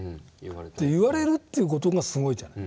言われるっていう事がすごいじゃない。